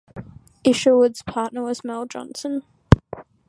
Isherwood's partner was Mel Johnson.